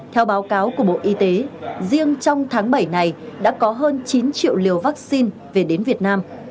theo báo cáo của bộ y tế riêng trong tháng bảy này đã có hơn chín triệu liều vaccine về đến việt nam